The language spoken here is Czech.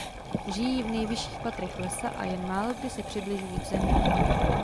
Žijí v nejvyšších patrech lesa a jen málokdy se přibližují k zemi.